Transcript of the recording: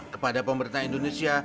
kepada pemerintah indonesia